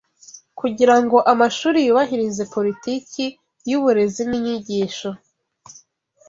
kugira ngo amashuri yubahirize politiki y’uburezi n’inyigisho